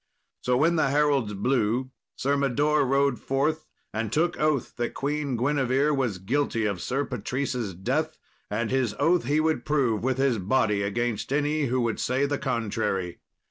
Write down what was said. So when the heralds blew, Sir Mador rode forth, and took oath that Queen Guinevere was guilty of Sir Patrice's death, and his oath he would prove with his body against any who would say the contrary.